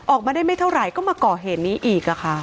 ออกมาได้ไม่เท่าไหร่ก็มาก่อเหตุนี้อีกค่ะ